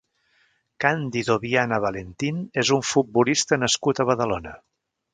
Cándido Viana Valentín és un futbolista nascut a Badalona.